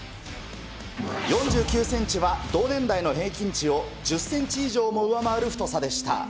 ４９センチは同年代の平均値を１０センチ以上も上回る太さでした。